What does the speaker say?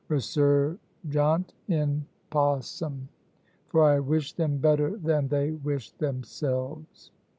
resurgant in pacem!_ For I wish them better than they wished themselves.